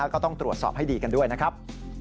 ก็ต้องตรวจสอบให้ดีกันด้วยนะครับ